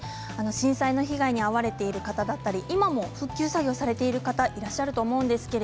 震災の被害に遭われている方だったり今も復旧作業をされている方いらっしゃると思います。